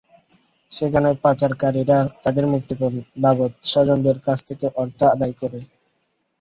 সেখানে পাচারকারীরা তাদের মুক্তিপণ বাবদ স্বজনদের কাছ থেকে অর্থ আদায় করে।